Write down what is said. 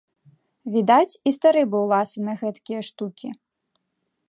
Відаць, і стары быў ласы на гэткія штукі.